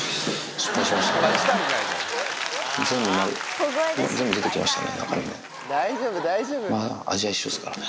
失敗しましたね。